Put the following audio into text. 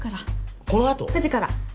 このあと⁉９時から。